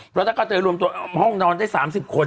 เพราะถ้ากระเตยรวมตัวห้องนอนได้๓๐คน